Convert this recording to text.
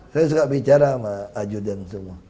saya suka bicara sama ajudan semua